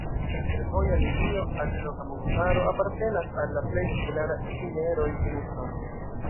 La fervoja linio al Roka Montaro apartenas al la plej popularaj itineroj en Usono.